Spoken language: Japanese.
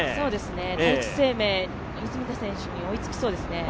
第一生命、出水田選手に追いつきそうですね。